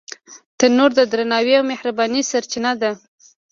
تنور د درناوي او مهربانۍ سرچینه ده